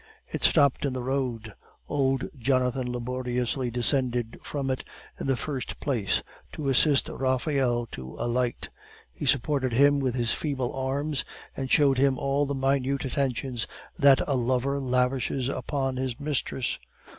It stopped in the road; old Jonathan laboriously descended from it, in the first place, to assist Raphael to alight; he supported him with his feeble arms, and showed him all the minute attentions that a lover lavishes upon his mistress.